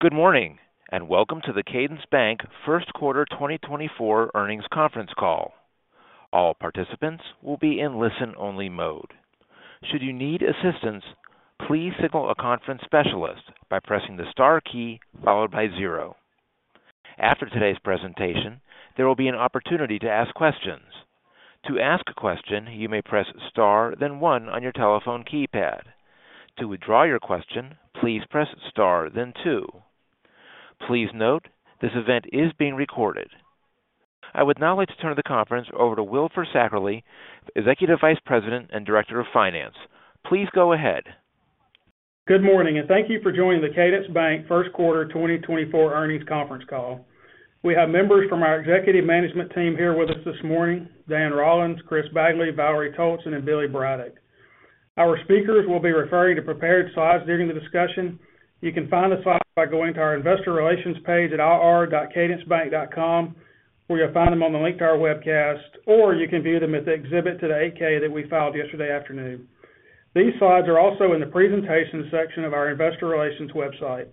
Good morning and welcome to the Cadence Bank First Quarter 2024 Earnings Conference Call. All participants will be in listen-only mode. Should you need assistance, please signal a conference specialist by pressing the star key followed by zero. After today's presentation, there will be an opportunity to ask questions. To ask a question, you may press star then one on your telephone keypad. To withdraw your question, please press star then two. Please note, this event is being recorded. I would now like to turn the conference over to Will Fisackerly, Executive Vice President and Director of Finance. Please go ahead. Good morning and thank you for joining the Cadence Bank First Quarter 2024 Earnings Conference Call. We have members from our executive management team here with us this morning: Dan Rollins, Chris Bagley, Valerie Toalson, and Billy Braddock. Our speakers will be referring to prepared slides during the discussion. You can find the slides by going to our investor relations page at ir.cadencebank.com, where you'll find them on the link to our webcast, or you can view them at the exhibit to the 8-K that we filed yesterday afternoon. These slides are also in the presentation section of our investor relations website.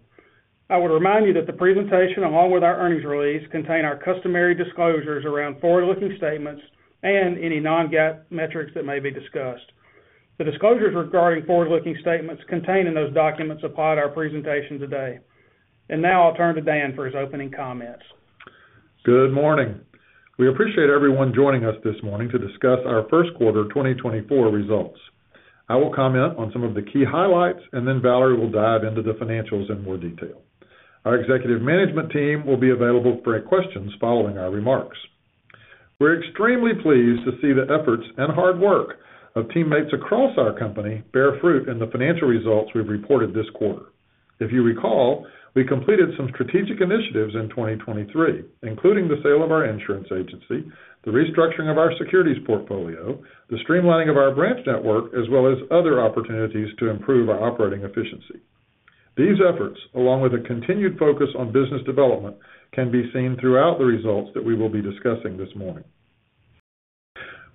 I would remind you that the presentation, along with our earnings release, contains our customary disclosures around forward-looking statements and any non-GAAP metrics that may be discussed. The disclosures regarding forward-looking statements contained in those documents applied to our presentation today. Now I'll turn to Dan for his opening comments. Good morning. We appreciate everyone joining us this morning to discuss our first quarter 2024 results. I will comment on some of the key highlights, and then Valerie will dive into the financials in more detail. Our executive management team will be available for questions following our remarks. We're extremely pleased to see the efforts and hard work of teammates across our company bear fruit in the financial results we've reported this quarter. If you recall, we completed some strategic initiatives in 2023, including the sale of our insurance agency, the restructuring of our securities portfolio, the streamlining of our branch network, as well as other opportunities to improve our operating efficiency. These efforts, along with a continued focus on business development, can be seen throughout the results that we will be discussing this morning.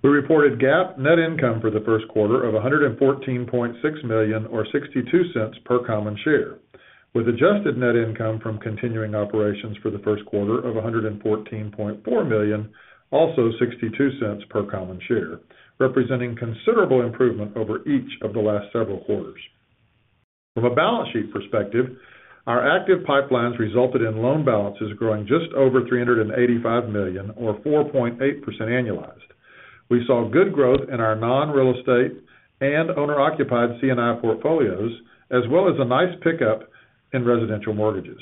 We reported GAAP net income for the first quarter of $114.6 million or $0.62 per common share, with adjusted net income from continuing operations for the first quarter of $114.4 million, also $0.62 per common share, representing considerable improvement over each of the last several quarters. From a balance sheet perspective, our active pipelines resulted in loan balances growing just over $385 million or 4.8% annualized. We saw good growth in our non-real estate and owner-occupied C&I portfolios, as well as a nice pickup in residential mortgages.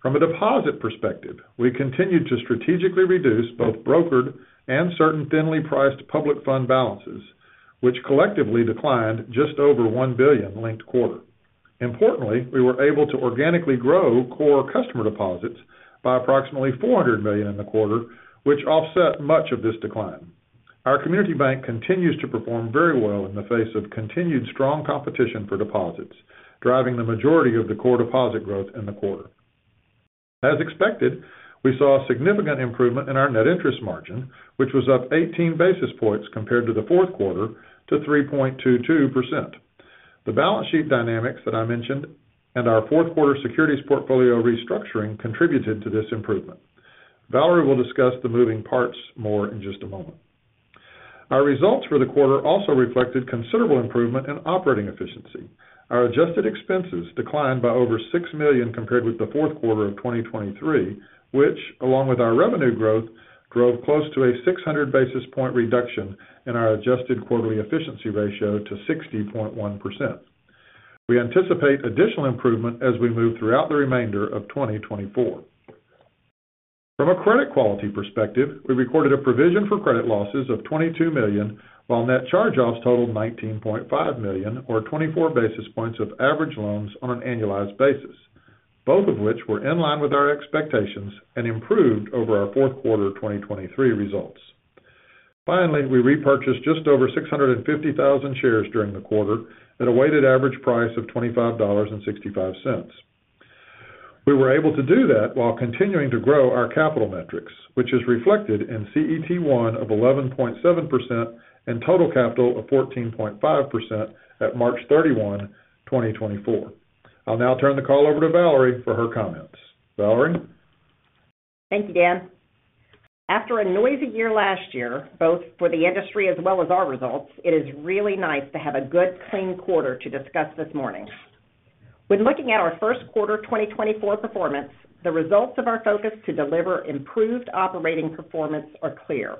From a deposit perspective, we continued to strategically reduce both brokered and certain thinly priced public fund balances, which collectively declined just over $1 billion linked quarter. Importantly, we were able to organically grow core customer deposits by approximately $400 million in the quarter, which offset much of this decline. Our community bank continues to perform very well in the face of continued strong competition for deposits, driving the majority of the core deposit growth in the quarter. As expected, we saw significant improvement in our net interest margin, which was up 18 basis points compared to the fourth quarter to 3.22%. The balance sheet dynamics that I mentioned and our fourth quarter securities portfolio restructuring contributed to this improvement. Valerie will discuss the moving parts more in just a moment. Our results for the quarter also reflected considerable improvement in operating efficiency. Our adjusted expenses declined by over $6 million compared with the fourth quarter of 2023, which, along with our revenue growth, drove close to a 600 basis point reduction in our adjusted quarterly efficiency ratio to 60.1%. We anticipate additional improvement as we move throughout the remainder of 2024. From a credit quality perspective, we recorded a provision for credit losses of $22 million, while net charge-offs totaled $19.5 million or 24 basis points of average loans on an annualized basis, both of which were in line with our expectations and improved over our fourth quarter 2023 results. Finally, we repurchased just over 650,000 shares during the quarter at a weighted average price of $25.65. We were able to do that while continuing to grow our capital metrics, which is reflected in CET1 of 11.7% and total capital of 14.5% at March 31, 2024. I'll now turn the call over to Valerie for her comments. Valerie? Thank you, Dan. After a noisy year last year, both for the industry as well as our results, it is really nice to have a good, clean quarter to discuss this morning. When looking at our first quarter 2024 performance, the results of our focus to deliver improved operating performance are clear.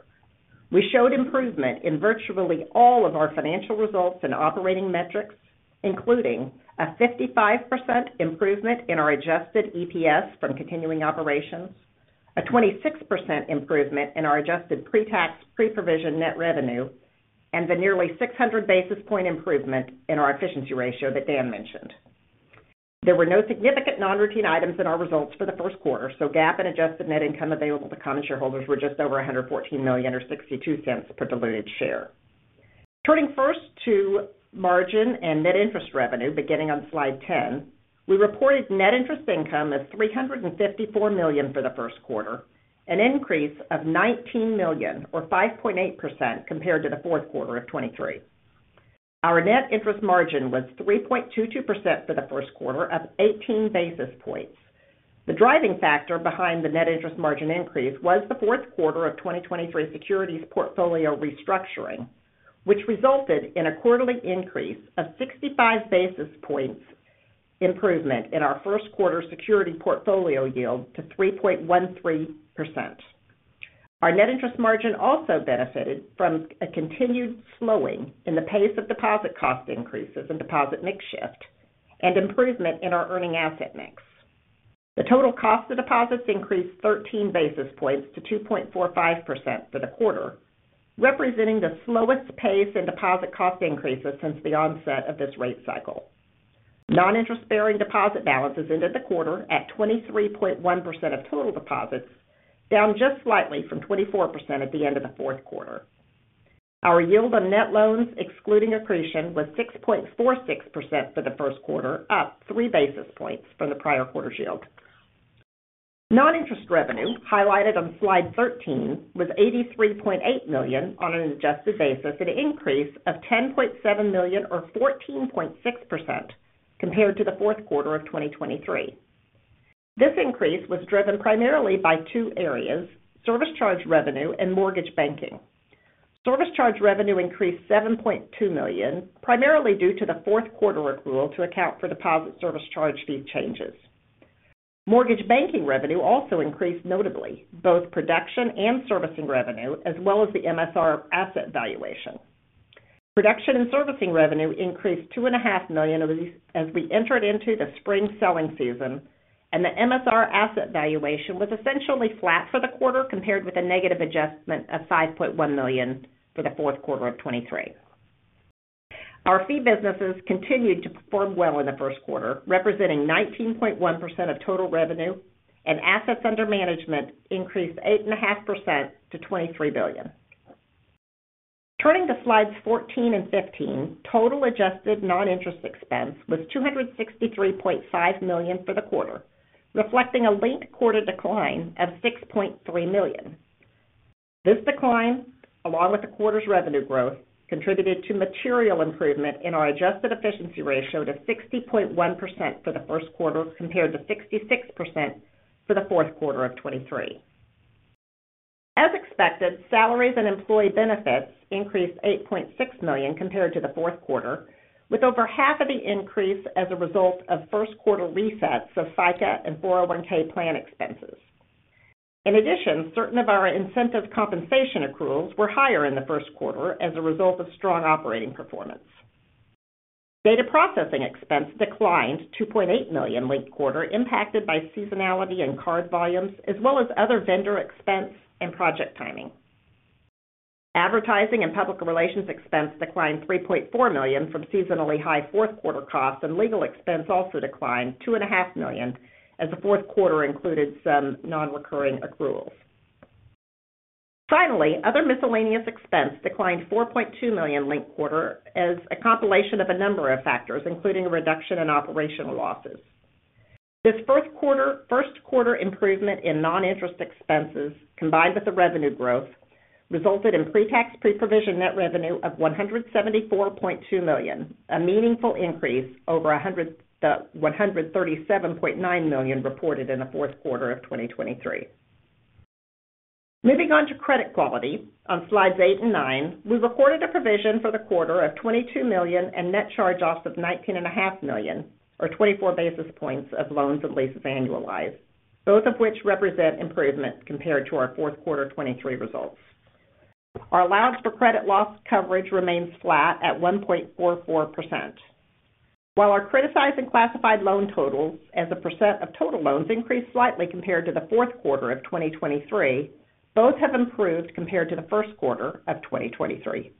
We showed improvement in virtually all of our financial results and operating metrics, including a 55% improvement in our adjusted EPS from continuing operations, a 26% improvement in our adjusted pre-tax pre-provision net revenue, and the nearly 600 basis points improvement in our efficiency ratio that Dan mentioned. There were no significant non-routine items in our results for the first quarter, so GAAP and adjusted net income available to common shareholders were just over $114 million or $0.62 per diluted share. Turning first to margin and net interest revenue, beginning on Slide 10, we reported net interest income of $354 million for the first quarter, an increase of $19 million or 5.8% compared to the fourth quarter of 2023. Our net interest margin was 3.22% for the first quarter, up 18 basis points. The driving factor behind the net interest margin increase was the fourth quarter of 2023 securities portfolio restructuring, which resulted in a quarterly increase of 65 basis points improvement in our first quarter security portfolio yield to 3.13%. Our net interest margin also benefited from a continued slowing in the pace of deposit cost increases and deposit mix shift, and improvement in our earning asset mix. The total cost of deposits increased 13 basis points to 2.45% for the quarter, representing the slowest pace in deposit cost increases since the onset of this rate cycle. Non-interest bearing deposit balances ended the quarter at 23.1% of total deposits, down just slightly from 24% at the end of the fourth quarter. Our yield on net loans, excluding accretion, was 6.46% for the first quarter, up 3 basis points from the prior quarter's yield. Non-interest revenue, highlighted on Slide 13, was $83.8 million on an adjusted basis, an increase of $10.7 million or 14.6% compared to the fourth quarter of 2023. This increase was driven primarily by two areas: service charge revenue and mortgage banking. Service charge revenue increased $7.2 million, primarily due to the fourth quarter accrual to account for deposit service charge fee changes. Mortgage banking revenue also increased notably, both production and servicing revenue, as well as the MSR asset valuation. Production and servicing revenue increased $2.5 million as we entered into the spring selling season, and the MSR asset valuation was essentially flat for the quarter compared with a negative adjustment of $5.1 million for the fourth quarter of 2023. Our fee businesses continued to perform well in the first quarter, representing 19.1% of total revenue, and assets under management increased 8.5% to $23 billion. Turning to Slides 14 and 15, total adjusted non-interest expense was $263.5 million for the quarter, reflecting a linked quarter decline of $6.3 million. This decline, along with the quarter's revenue growth, contributed to material improvement in our adjusted efficiency ratio to 60.1% for the first quarter compared to 66% for the fourth quarter of 2023. As expected, salaries and employee benefits increased $8.6 million compared to the fourth quarter, with over half of the increase as a result of first quarter resets of FICA and 401(k) plan expenses. In addition, certain of our incentive compensation accruals were higher in the first quarter as a result of strong operating performance. Data processing expense declined $2.8 million linked quarter, impacted by seasonality and card volumes, as well as other vendor expense and project timing. Advertising and public relations expense declined $3.4 million from seasonally high fourth quarter costs, and legal expense also declined $2.5 million as the fourth quarter included some non-recurring accruals. Finally, other miscellaneous expense declined $4.2 million linked quarter as a compilation of a number of factors, including a reduction in operational losses. This first quarter improvement in non-interest expenses, combined with the revenue growth, resulted in pre-tax pre-provision net revenue of $174.2 million, a meaningful increase over the $137.9 million reported in the fourth quarter of 2023. Moving on to credit quality, on Slides eight and nine, we recorded a provision for the quarter of $22 million and net charge-offs of $19.5 million or 24 basis points of loans and leases annualized, both of which represent improvement compared to our fourth quarter 2023 results. Our allowance for credit loss coverage remains flat at 1.44%. While our criticized and classified loan totals, as a percent of total loans, increased slightly compared to the fourth quarter of 2023, both have improved compared to the first quarter of 2023.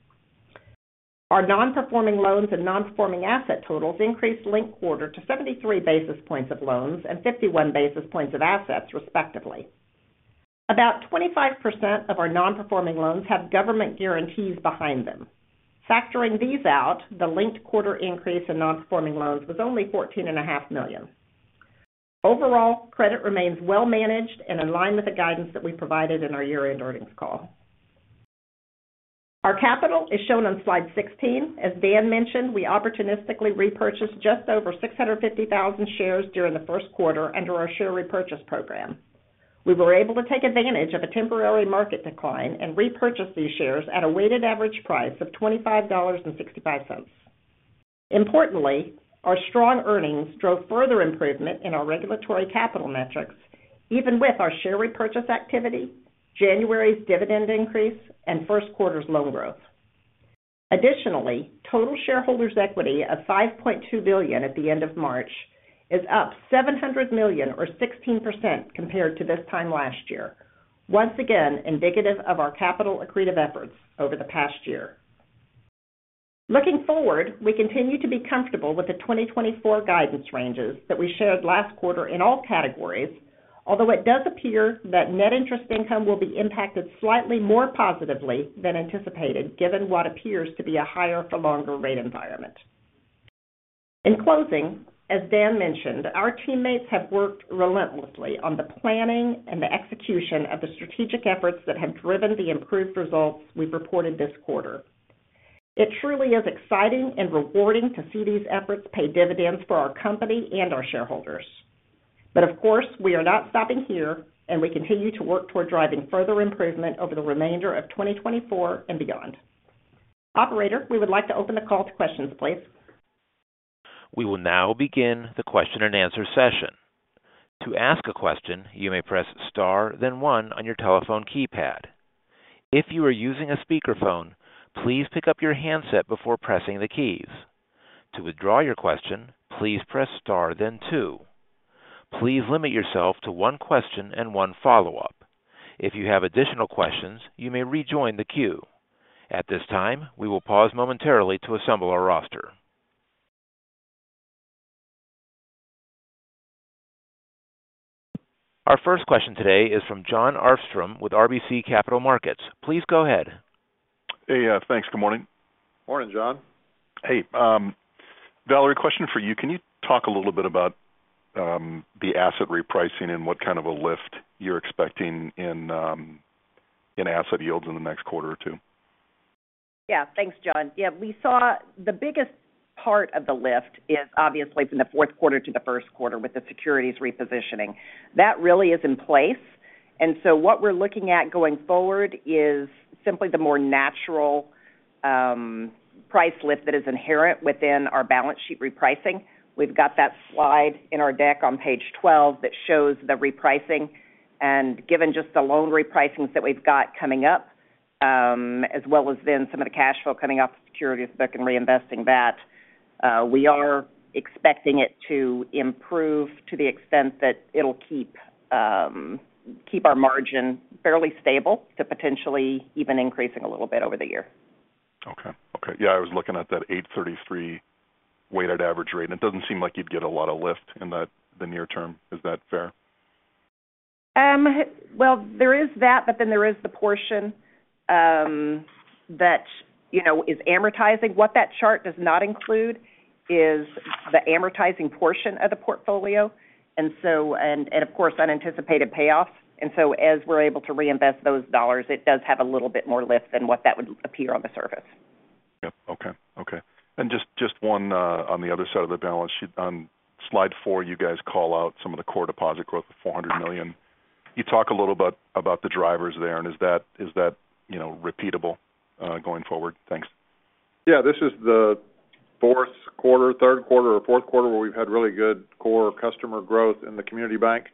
Our non-performing loans and non-performing asset totals increased linked quarter to 73 basis points of loans and 51 basis points of assets, respectively. About 25% of our non-performing loans have government guarantees behind them. Factoring these out, the linked quarter increase in non-performing loans was only $14.5 million. Overall, credit remains well-managed and in line with the guidance that we provided in our year-end earnings call. Our capital is shown on Slide 16. As Dan mentioned, we opportunistically repurchased just over 650,000 shares during the first quarter under our share repurchase program. We were able to take advantage of a temporary market decline and repurchase these shares at a weighted average price of $25.65. Importantly, our strong earnings drove further improvement in our regulatory capital metrics, even with our share repurchase activity, January's dividend increase, and first quarter's loan growth. Additionally, total shareholders' equity of $5.2 billion at the end of March is up $700 million or 16% compared to this time last year, once again indicative of our capital accretive efforts over the past year. Looking forward, we continue to be comfortable with the 2024 guidance ranges that we shared last quarter in all categories, although it does appear that net interest income will be impacted slightly more positively than anticipated given what appears to be a higher-for-longer rate environment. In closing, as Dan mentioned, our teammates have worked relentlessly on the planning and the execution of the strategic efforts that have driven the improved results we've reported this quarter. It truly is exciting and rewarding to see these efforts pay dividends for our company and our shareholders. But of course, we are not stopping here, and we continue to work toward driving further improvement over the remainder of 2024 and beyond. Operator, we would like to open the call to questions, please. We will now begin the question-and-answer session. To ask a question, you may press star then one on your telephone keypad. If you are using a speakerphone, please pick up your handset before pressing the keys. To withdraw your question, please press star then two. Please limit yourself to one question and one follow-up. If you have additional questions, you may rejoin the queue. At this time, we will pause momentarily to assemble our roster. Our first question today is from Jon Arfstrom with RBC Capital Markets. Please go ahead. Hey, thanks. Good morning. Morning, Jon. Hey, Valerie, question for you. Can you talk a little bit about the asset repricing and what kind of a lift you're expecting in asset yields in the next quarter or two? Yeah, thanks, Jon. Yeah, the biggest part of the lift is obviously from the fourth quarter to the first quarter with the securities repositioning. That really is in place. And so what we're looking at going forward is simply the more natural price lift that is inherent within our balance sheet repricing. We've got that slide in our deck on Page 12 that shows the repricing. And given just the loan repricings that we've got coming up, as well as then some of the cash flow coming off the securities book and reinvesting that, we are expecting it to improve to the extent that it'll keep our margin fairly stable to potentially even increasing a little bit over the year. Okay. Yeah, I was looking at that 8.33% weighted average rate. It doesn't seem like you'd get a lot of lift in the near term. Is that fair? Well, there is that, but then there is the portion that is amortizing. What that chart does not include is the amortizing portion of the portfolio and, of course, unanticipated payoffs. And so as we're able to reinvest those dollars, it does have a little bit more lift than what that would appear on the surface. Yeah. Okay. Just one on the other side of the balance sheet, on Slide four, you guys call out some of the core deposit growth of $400 million. You talk a little about the drivers there. And is that repeatable going forward? Thanks. Yeah, this is the fourth quarter, third quarter, or fourth quarter where we've had really good core customer growth in the community bank.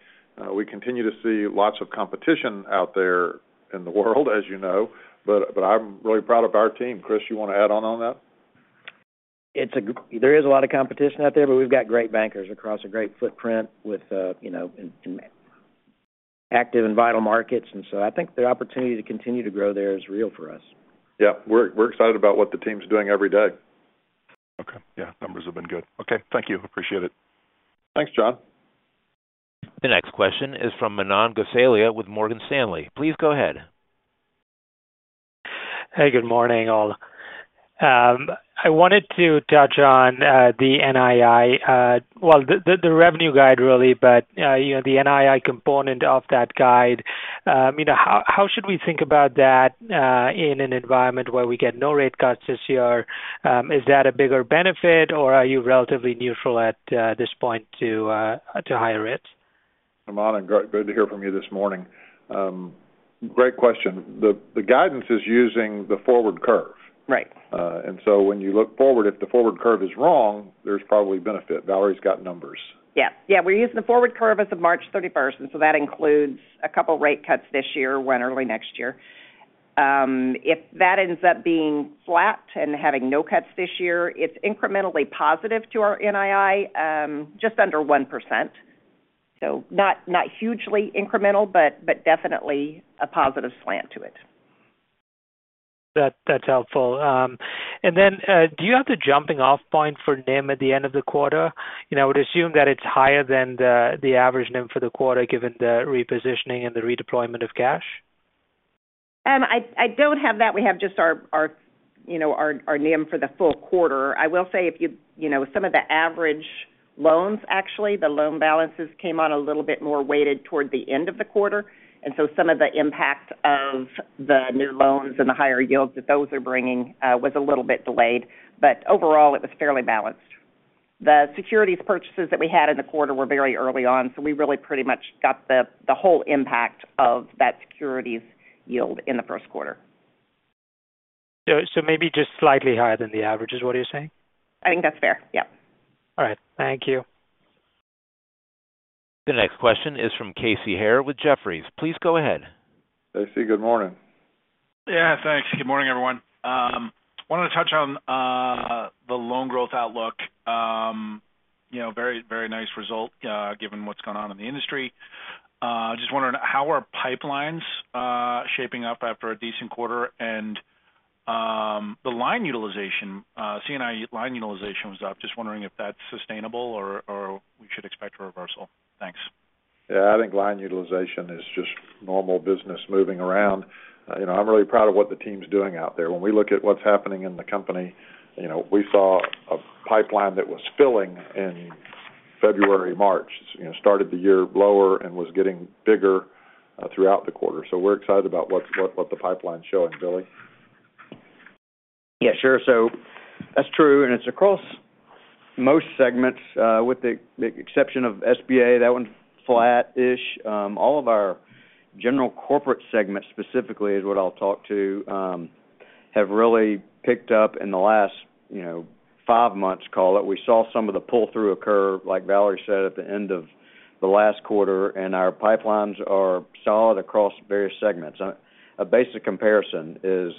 We continue to see lots of competition out there in the world, as you know. But I'm really proud of our team. Chris, you want to add on on that? There is a lot of competition out there, but we've got great bankers across a great footprint in active and vital markets. And so I think their opportunity to continue to grow there is real for us. Yeah, we're excited about what the team's doing every day. Okay. Yeah, numbers have been good. Okay. Thank you. Appreciate it. Thanks, Jon. The next question is from Manan Gosalia with Morgan Stanley. Please go ahead. Hey, good morning, all. I wanted to touch on the NII well, the revenue guide, really, but the NII component of that guide. How should we think about that in an environment where we get no rate cuts this year? Is that a bigger benefit, or are you relatively neutral at this point to higher rates? Manan, great to hear from you this morning. Great question. The guidance is using the forward curve. And so when you look forward, if the forward curve is wrong, there's probably benefit. Valerie's got numbers. Yeah. Yeah, we're using the forward curve as of March 31st. And so that includes a couple of rate cuts this year and early next year. If that ends up being flat and having no cuts this year, it's incrementally positive to our NII, just under 1%. So not hugely incremental, but definitely a positive slant to it. That's helpful. And then do you have the jumping-off point for NIM at the end of the quarter? I would assume that it's higher than the average NIM for the quarter given the repositioning and the redeployment of cash. I don't have that. We have just our NIM for the full quarter. I will say if you some of the average loans, actually, the loan balances came on a little bit more weighted toward the end of the quarter. And so some of the impact of the new loans and the higher yields that those are bringing was a little bit delayed. But overall, it was fairly balanced. The securities purchases that we had in the quarter were very early on. So we really pretty much got the whole impact of that securities yield in the first quarter. Maybe just slightly higher than the average is what you're saying? I think that's fair. Yep. All right. Thank you. The next question is from Casey Haire with Jefferies. Please go ahead. Casey, good morning. Yeah, thanks. Good morning, everyone. Wanted to touch on the loan growth outlook. Very, very nice result given what's going on in the industry. Just wondering how are pipelines shaping up after a decent quarter? And the line utilization, C&I line utilization was up. Just wondering if that's sustainable or we should expect a reversal. Thanks. Yeah, I think line utilization is just normal business moving around. I'm really proud of what the team's doing out there. When we look at what's happening in the company, we saw a pipeline that was filling in February, March. Started the year lower and was getting bigger throughout the quarter. So we're excited about what the pipeline's showing, Billy. Yeah, sure. So that's true. And it's across most segments. With the exception of SBA, that one's flat-ish. All of our general corporate segments, specifically, is what I'll talk to, have really picked up in the last five months, call it. We saw some of the pull-through occur, like Valerie said, at the end of the last quarter. And our pipelines are solid across various segments. A basic comparison is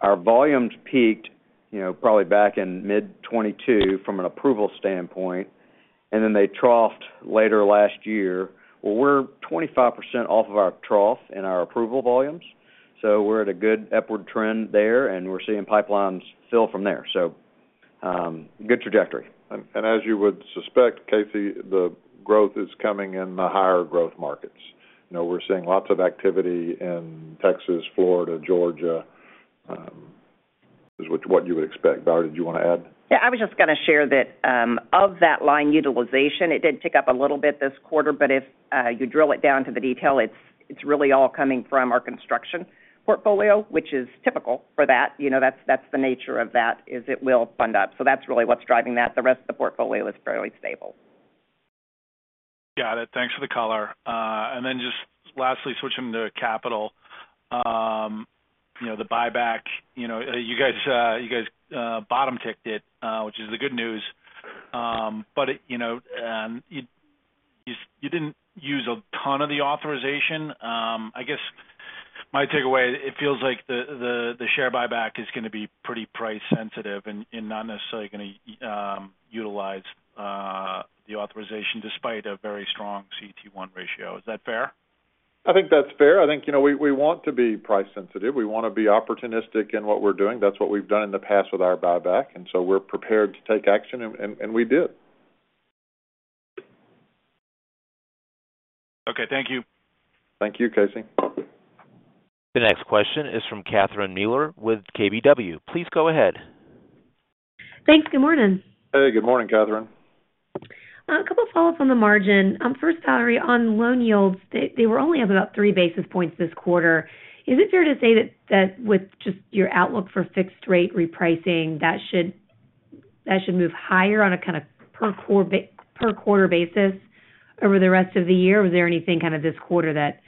our volumes peaked probably back in mid-2022 from an approval standpoint, and then they troughed later last year. Well, we're 25% off of our trough in our approval volumes. So we're at a good upward trend there, and we're seeing pipelines fill from there. So good trajectory. As you would suspect, Casey, the growth is coming in the higher growth markets. We're seeing lots of activity in Texas, Florida, Georgia, is what you would expect. Valerie, did you want to add? Yeah, I was just going to share that line utilization; it did pick up a little bit this quarter. But if you drill it down to the detail, it's really all coming from our construction portfolio, which is typical for that. That's the nature of that. It will fund up. So that's really what's driving that. The rest of the portfolio is fairly stable. Got it. Thanks for the caller. And then just lastly, switching to capital, the buyback, you guys bottom-ticked it, which is the good news. But you didn't use a ton of the authorization. I guess my takeaway, it feels like the share buyback is going to be pretty price-sensitive and not necessarily going to utilize the authorization despite a very strong CET1 ratio. Is that fair? I think that's fair. I think we want to be price-sensitive. We want to be opportunistic in what we're doing. That's what we've done in the past with our buyback. And so we're prepared to take action, and we did. Okay. Thank you. Thank you, Casey. The next question is from Catherine Mealor with KBW. Please go ahead. Thanks. Good morning. Hey, good morning, Catherine. A couple of follow-ups on the margin. First, Valerie, on loan yields, they were only up about 3 basis points this quarter. Is it fair to say that with just your outlook for fixed-rate repricing, that should move higher on a kind of per-quarter basis over the rest of the year? Was there anything kind of this quarter that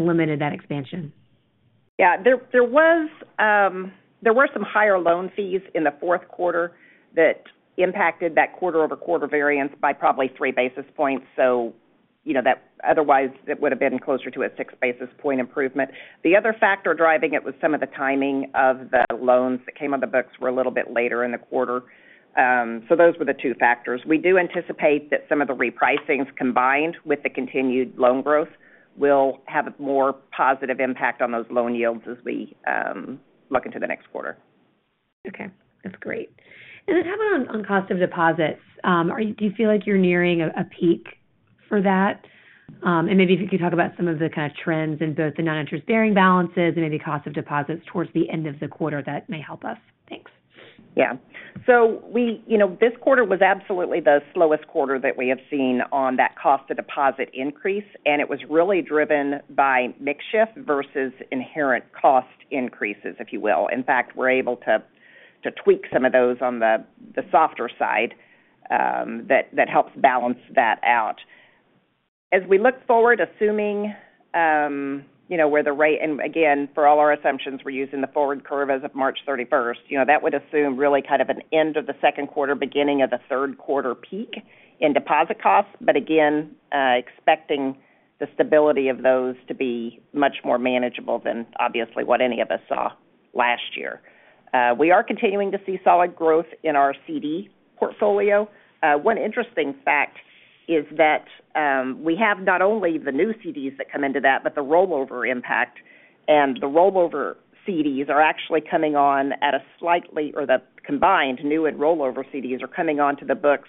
limited that expansion? Yeah, there were some higher loan fees in the fourth quarter that impacted that quarter-over-quarter variance by probably 3 basis points. So otherwise, it would have been closer to a 6 basis point improvement. The other factor driving it was some of the timing of the loans that came on the books were a little bit later in the quarter. So those were the two factors. We do anticipate that some of the repricings combined with the continued loan growth will have a more positive impact on those loan yields as we look into the next quarter. Okay. That's great. And then how about on cost of deposits? Do you feel like you're nearing a peak for that? And maybe if you could talk about some of the kind of trends in both the non-interest bearing balances and maybe cost of deposits towards the end of the quarter, that may help us. Thanks. Yeah. So this quarter was absolutely the slowest quarter that we have seen on that cost of deposit increase. And it was really driven by mix shift versus inherent cost increases, if you will. In fact, we're able to tweak some of those on the softer side that helps balance that out. As we look forward, assuming where the rate and again, for all our assumptions, we're using the forward curve as of March 31st. That would assume really kind of an end of the second quarter, beginning of the third quarter peak in deposit costs, but again, expecting the stability of those to be much more manageable than, obviously, what any of us saw last year. We are continuing to see solid growth in our CD portfolio. One interesting fact is that we have not only the new CDs that come into that, but the rollover impact. The rollover CDs are actually coming on, or the combined new and rollover CDs are coming onto the books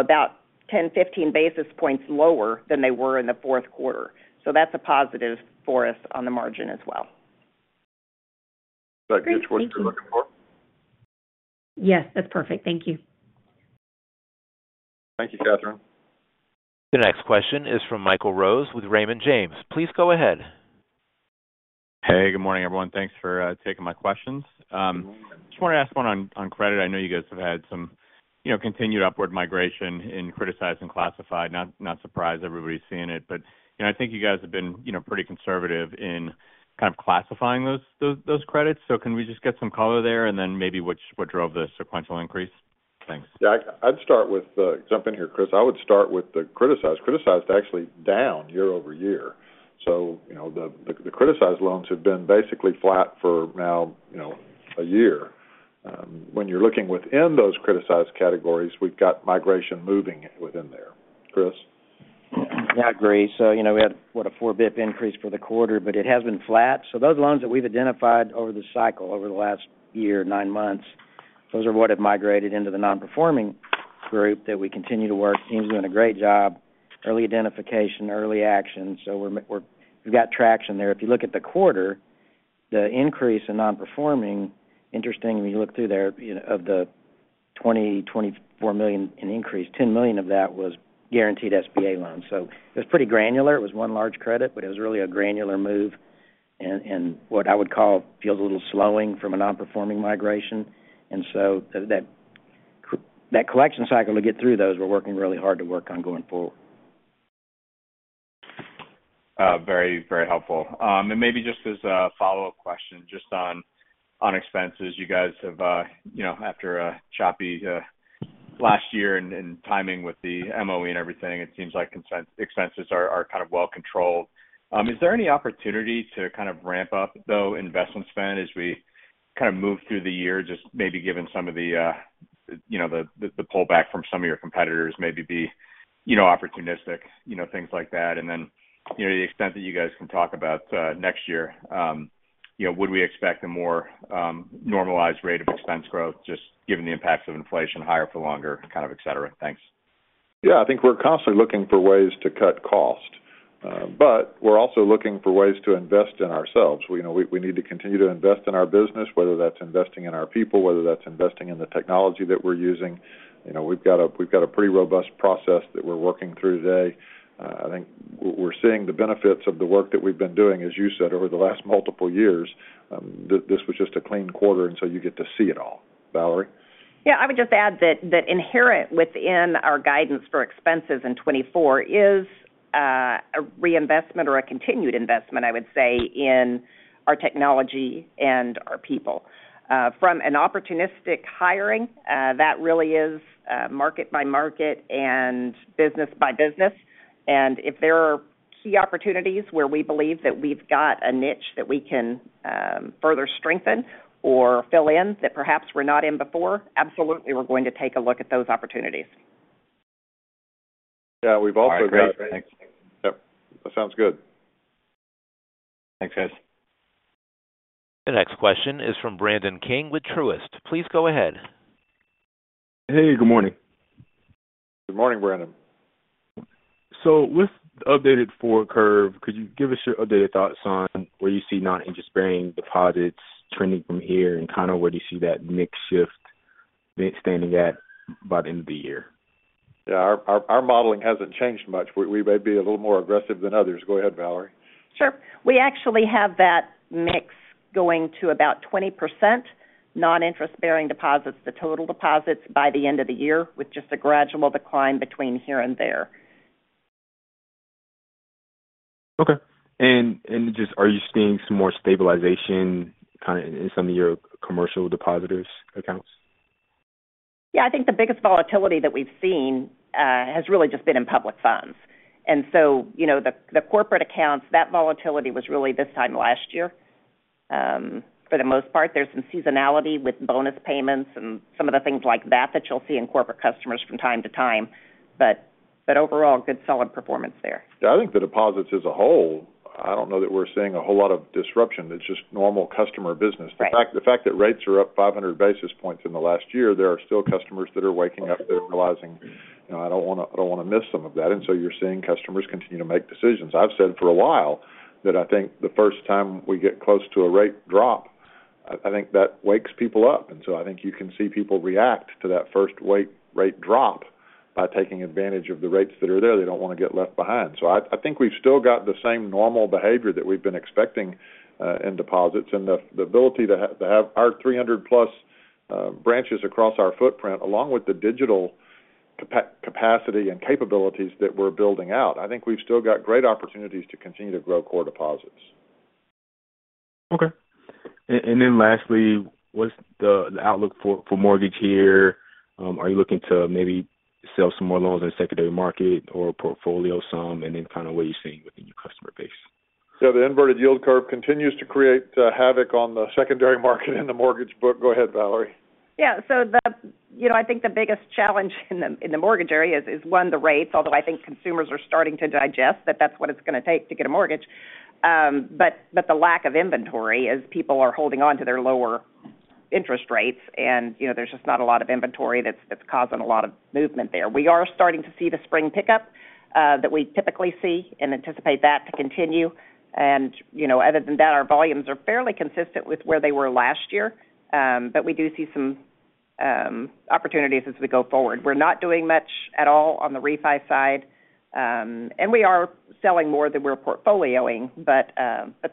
about 10-15 basis points lower than they were in the fourth quarter. So that's a positive for us on the margin as well. Is that good? What are you looking for? Yes, that's perfect. Thank you. Thank you, Catherine. The next question is from Michael Rose with Raymond James. Please go ahead. Hey, good morning, everyone. Thanks for taking my questions. I just want to ask one on credit. I know you guys have had some continued upward migration in criticized and classified. Not surprised everybody's seeing it. But I think you guys have been pretty conservative in kind of classifying those credits. So can we just get some color there and then maybe what drove the sequential increase? Thanks. Yeah, I'd start with jump in here, Chris. I would start with the criticized. Criticized actually down year-over-year. So the criticized loans have been basically flat for now a year. When you're looking within those criticized categories, we've got migration moving within there. Chris? Yeah, I agree. So we had, what, a 4 basis point increase for the quarter, but it has been flat. So those loans that we've identified over the cycle, over the last year, nine months, those are what have migrated into the non-performing group that we continue to work. Team's doing a great job, early identification, early action. So we've got traction there. If you look at the quarter, the increase in non-performing, interesting, when you look through there of the $24 million in increase, $10 million of that was guaranteed SBA loans. So it was pretty granular. It was one large credit, but it was really a granular move. And what I would call feels a little slowing from a non-performing migration. And so that collection cycle to get through those, we're working really hard to work on going forward. Very, very helpful. And maybe just as a follow-up question, just on expenses, you guys have, after a choppy last year and timing with the MOE and everything, it seems like expenses are kind of well-controlled. Is there any opportunity to kind of ramp up, though, investment spend as we kind of move through the year, just maybe given some of the pullback from some of your competitors, maybe be opportunistic, things like that? And then to the extent that you guys can talk about next year, would we expect a more normalized rate of expense growth just given the impacts of inflation, higher for longer, kind of, etc.? Thanks. Yeah, I think we're constantly looking for ways to cut cost. But we're also looking for ways to invest in ourselves. We need to continue to invest in our business, whether that's investing in our people, whether that's investing in the technology that we're using. We've got a pretty robust process that we're working through today. I think we're seeing the benefits of the work that we've been doing, as you said, over the last multiple years. This was just a clean quarter, and so you get to see it all. Valerie? Yeah, I would just add that inherent within our guidance for expenses in 2024 is a reinvestment or a continued investment, I would say, in our technology and our people. From an opportunistic hiring, that really is market by market and business by business. If there are key opportunities where we believe that we've got a niche that we can further strengthen or fill in that perhaps we're not in before, absolutely, we're going to take a look at those opportunities. Yeah, we've also got. All right. Great. Thanks. Yep. That sounds good. Thanks, guys. The next question is from Brandon King with Truist. Please go ahead. Hey, good morning. Good morning, Brandon. With the updated forward curve, could you give us your updated thoughts on where you see non-interest bearing deposits trending from here and kind of where do you see the mix standing at by the end of the year? Yeah, our modeling hasn't changed much. We may be a little more aggressive than others. Go ahead, Valerie. Sure. We actually have that mix going to about 20% non-interest bearing deposits to total deposits by the end of the year, with just a gradual decline between here and there. Okay. And just are you seeing some more stabilization kind of in some of your commercial depositors' accounts? Yeah, I think the biggest volatility that we've seen has really just been in public funds. And so the corporate accounts, that volatility was really this time last year for the most part. There's some seasonality with bonus payments and some of the things like that that you'll see in corporate customers from time to time. But overall, good solid performance there. Yeah, I think the deposits as a whole, I don't know that we're seeing a whole lot of disruption. It's just normal customer business. The fact that rates are up 500 basis points in the last year, there are still customers that are waking up that are realizing, "I don't want to miss some of that." And so you're seeing customers continue to make decisions. I've said for a while that I think the first time we get close to a rate drop, I think that wakes people up. And so I think you can see people react to that first rate drop by taking advantage of the rates that are there. They don't want to get left behind. I think we've still got the same normal behavior that we've been expecting in deposits and the ability to have our 300+ branches across our footprint, along with the digital capacity and capabilities that we're building out. I think we've still got great opportunities to continue to grow core deposits. Okay. And then lastly, what's the outlook for mortgage here? Are you looking to maybe sell some more loans in the secondary market or portfolio some and then kind of what you're seeing within your customer base? Yeah, the inverted yield curve continues to create havoc on the secondary market and the mortgage book. Go ahead, Valerie. Yeah, so I think the biggest challenge in the mortgage area is, one, the rates, although I think consumers are starting to digest that that's what it's going to take to get a mortgage. But the lack of inventory is people are holding on to their lower interest rates, and there's just not a lot of inventory that's causing a lot of movement there. We are starting to see the spring pickup that we typically see and anticipate that to continue. And other than that, our volumes are fairly consistent with where they were last year. But we do see some opportunities as we go forward. We're not doing much at all on the refi side. And we are selling more than we're portfolioing, but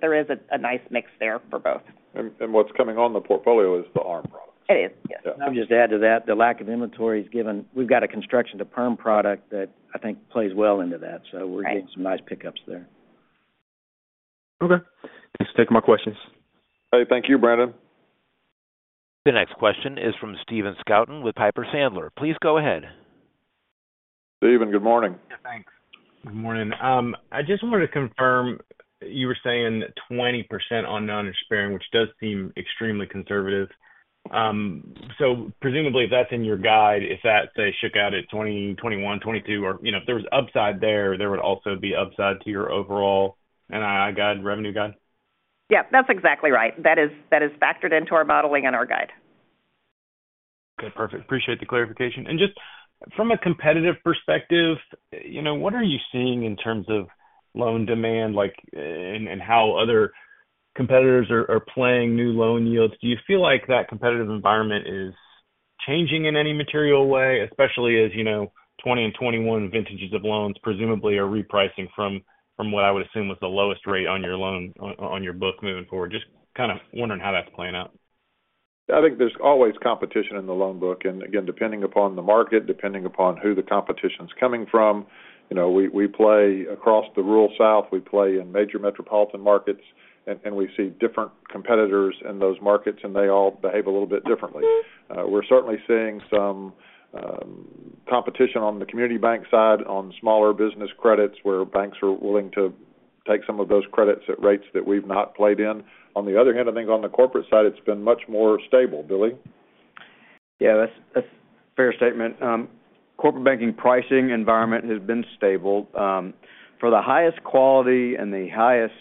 there is a nice mix there for both. What's coming on the portfolio is the ARM products. It is. Yes. I'll just add to that, the lack of inventory is given we've got a construction-to-perm product that I think plays well into that. So we're getting some nice pickups there. Okay. Thanks for taking my questions. Hey, thank you, Brandon. The next question is from Stephen Scouten with Piper Sandler. Please go ahead. Stephen, good morning. Yeah, thanks. Good morning. I just wanted to confirm, you were saying 20% on non-interest bearing, which does seem extremely conservative. So presumably, if that's in your guide, if that, say, shook out at 2020, 2021, 2022, or if there was upside there, there would also be upside to your overall NII guide, revenue guide? Yeah, that's exactly right. That is factored into our modeling and our guide. Okay, perfect. Appreciate the clarification. Just from a competitive perspective, what are you seeing in terms of loan demand and how other competitors are playing new loan yields? Do you feel like that competitive environment is changing in any material way, especially as 2020 and 2021 vintages of loans presumably are repricing from what I would assume was the lowest rate on your loan on your book moving forward? Just kind of wondering how that's playing out. Yeah, I think there's always competition in the loan book. And again, depending upon the market, depending upon who the competition's coming from, we play across the rural south. We play in major metropolitan markets. And we see different competitors in those markets, and they all behave a little bit differently. We're certainly seeing some competition on the community bank side on smaller business credits where banks are willing to take some of those credits at rates that we've not played in. On the other hand, I think on the corporate side, it's been much more stable, Billy. Yeah, that's a fair statement. Corporate banking pricing environment has been stable. For the highest quality and the highest,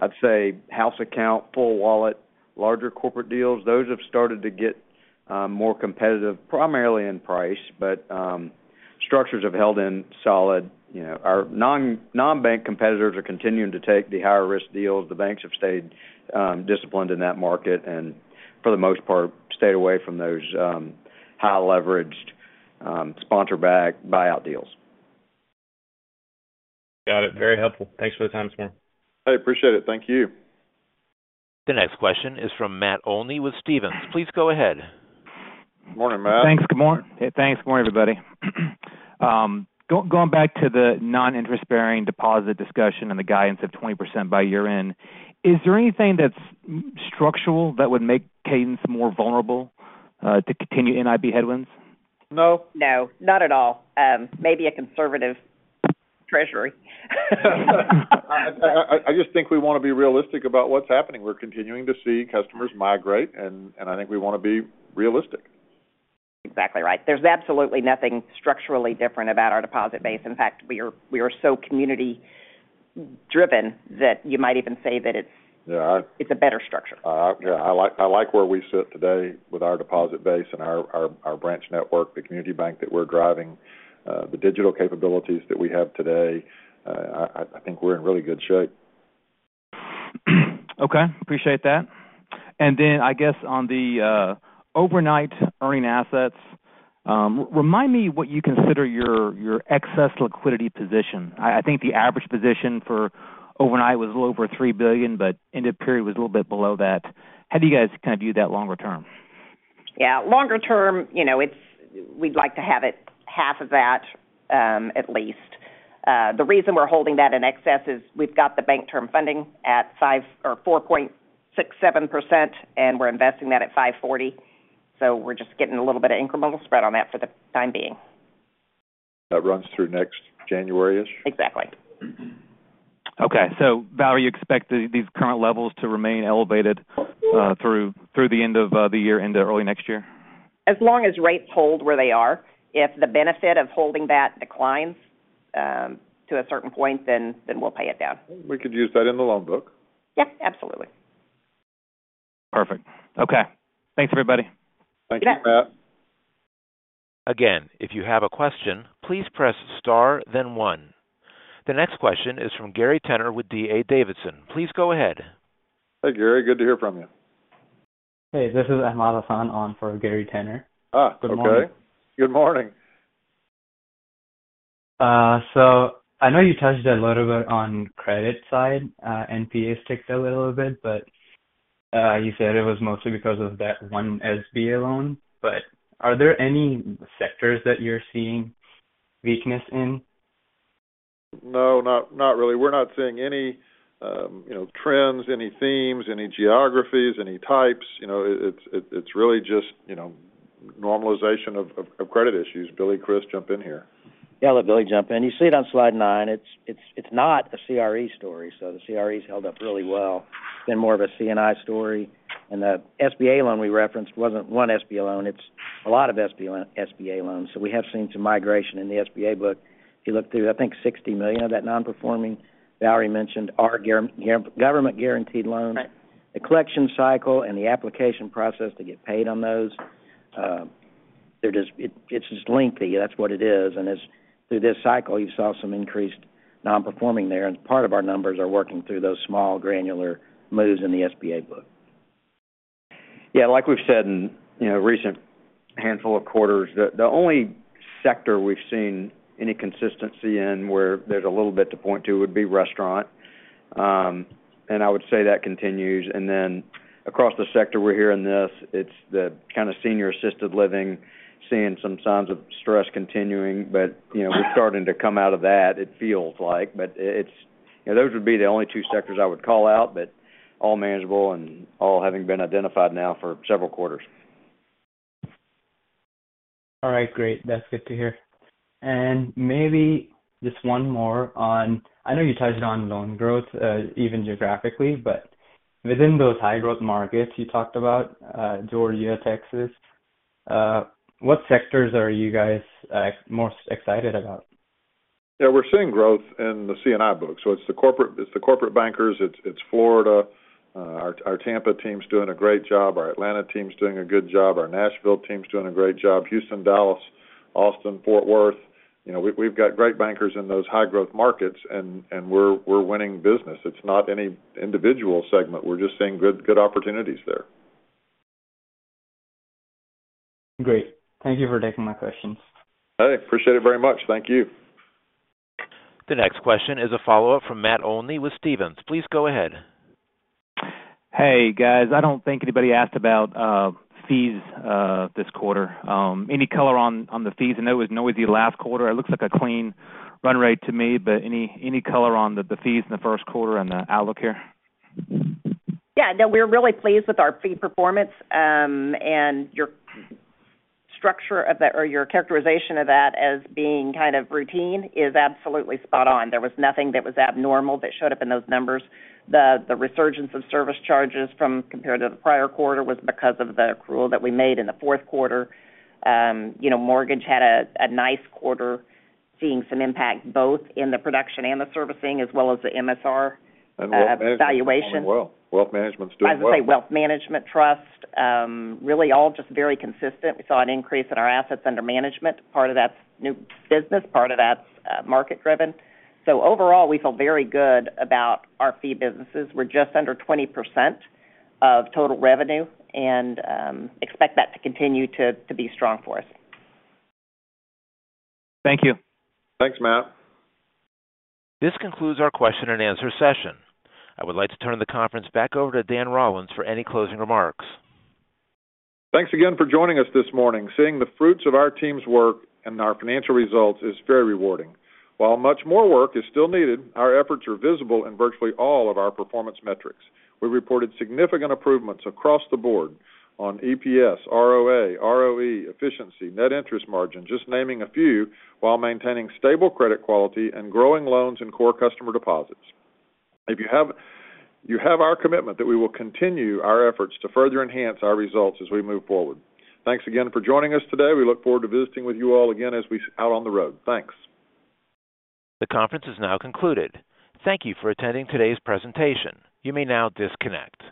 I'd say, house account, full wallet, larger corporate deals, those have started to get more competitive, primarily in price, but structures have held in solid. Our non-bank competitors are continuing to take the higher-risk deals. The banks have stayed disciplined in that market and, for the most part, stayed away from those high-leveraged sponsor-backed buyout deals. Got it. Very helpful. Thanks for the time this morning. Hey, appreciate it. Thank you. The next question is from Matt Olney with Stephens. Please go ahead. Morning, Matt. Thanks. Good morning. Thanks. Good morning, everybody. Going back to the non-interest bearing deposit discussion and the guidance of 20% by year-end, is there anything that's structural that would make Cadence more vulnerable to continue NIB headwinds? No. No, not at all. Maybe a conservative treasury. I just think we want to be realistic about what's happening. We're continuing to see customers migrate, and I think we want to be realistic. Exactly right. There's absolutely nothing structurally different about our deposit base. In fact, we are so community-driven that you might even say that it's a better structure. Yeah, I like where we sit today with our deposit base and our branch network, the community bank that we're driving, the digital capabilities that we have today. I think we're in really good shape. Okay, appreciate that. And then I guess on the overnight earning assets, remind me what you consider your excess liquidity position. I think the average position for overnight was a little over $3 billion, but end of period was a little bit below that. How do you guys kind of view that longer term? Yeah, longer term, we'd like to have it half of that at least. The reason we're holding that in excess is we've got the bank term funding at 4.67%, and we're investing that at 5.40%. So we're just getting a little bit of incremental spread on that for the time being. That runs through next January-ish? Exactly. Okay, so Valerie, you expect these current levels to remain elevated through the end of the year, into early next year? As long as rates hold where they are. If the benefit of holding that declines to a certain point, then we'll pay it down. We could use that in the loan book. Yeah, absolutely. Perfect. Okay. Thanks, everybody. Thank you, Matt. Again, if you have a question, please press star, then one. The next question is from Gary Tenner with D.A. Davidson. Please go ahead. Hey, Gary. Good to hear from you. Hey, this is Ahmad Hasan on for Gary Tenner. Good morning. Okay. Good morning. So I know you touched a little bit on credit side. NPAs ticked a little bit, but you said it was mostly because of that one SBA loan. But are there any sectors that you're seeing weakness in? No, not really. We're not seeing any trends, any themes, any geographies, any types. It's really just normalization of credit issues. Billy, Chris, jump in here. Yeah, let Billy jump in. You see it on Slide nine. It's not a CRE story. So the CREs held up really well. It's been more of a C&I story. And the SBA loan we referenced wasn't one SBA loan. It's a lot of SBA loans. So we have seen some migration in the SBA book. If you look through, I think, $60 million of that non-performing, Valerie mentioned, are government-guaranteed loans. The collection cycle and the application process to get paid on those, it's just lengthy. That's what it is. And through this cycle, you saw some increased non-performing there. And part of our numbers are working through those small, granular moves in the SBA book. Yeah, like we've said in a recent handful of quarters, the only sector we've seen any consistency in where there's a little bit to point to would be restaurant. And I would say that continues. And then across the sector we're hearing this, it's the kind of senior assisted living, seeing some signs of stress continuing. But we're starting to come out of that, it feels like. But those would be the only two sectors I would call out, but all manageable and all having been identified now for several quarters. All right, great. That's good to hear. Maybe just one more on, I know you touched on loan growth even geographically, but within those high-growth markets you talked about, Georgia, Texas, what sectors are you guys most excited about? Yeah, we're seeing growth in the C&I book. So it's the corporate bankers. It's Florida. Our Tampa team's doing a great job. Our Atlanta team's doing a good job. Our Nashville team's doing a great job. Houston, Dallas, Austin, Fort Worth, we've got great bankers in those high-growth markets, and we're winning business. It's not any individual segment. We're just seeing good opportunities there. Great. Thank you for taking my questions. Hey, appreciate it very much. Thank you. The next question is a follow-up from Matt Olney with Stephens. Please go ahead. Hey, guys, I don't think anybody asked about fees this quarter. Any color on the fees? I know it was noisy last quarter. It looks like a clean run rate to me. But any color on the fees in the first quarter and the outlook here? Yeah, no, we're really pleased with our fee performance. Your structure or your characterization of that as being kind of routine is absolutely spot on. There was nothing that was abnormal that showed up in those numbers. The resurgence of service charges compared to the prior quarter was because of the accrual that we made in the fourth quarter. Mortgage had a nice quarter, seeing some impact both in the production and the servicing as well as the MSR valuation. Wealth management's doing well. As I say, wealth management trust, really all just very consistent. We saw an increase in our assets under management. Part of that's new business. Part of that's market-driven. So overall, we feel very good about our fee businesses. We're just under 20% of total revenue and expect that to continue to be strong for us. Thank you. Thanks, Matt. This concludes our question-and-answer session. I would like to turn the conference back over to Dan Rollins, for any closing remarks. Thanks again for joining us this morning. Seeing the fruits of our team's work and our financial results is very rewarding. While much more work is still needed, our efforts are visible in virtually all of our performance metrics. We reported significant improvements across the board on EPS, ROA, ROE, efficiency, net interest margin, just naming a few, while maintaining stable credit quality and growing loans and core customer deposits. You have our commitment that we will continue our efforts to further enhance our results as we move forward. Thanks again for joining us today. We look forward to visiting with you all again as we're out on the road. Thanks. The conference is now concluded. Thank you for attending today's presentation. You may now disconnect.